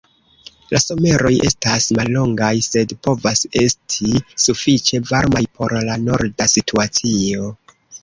La someroj estas mallongaj, sed povas esti sufiĉe varmaj por la norda situacio.